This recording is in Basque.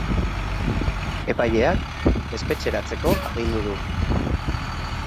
Epaileak espetxeratzeko agindu du.